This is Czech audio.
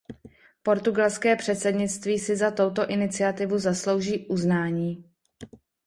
Portugalské předsednictví si za touto iniciativu zaslouží uznání.